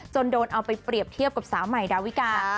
โดนเอาไปเปรียบเทียบกับสาวใหม่ดาวิกา